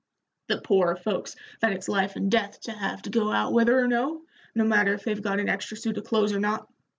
The poor folks that it's life and death to have to go out whether or no, no matter if they've got an extra suit of clothes or not.